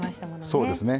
そうですね。